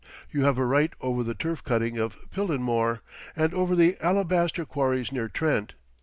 You have a right over the turf cutting of Pillinmore, and over the alabaster quarries near Trent.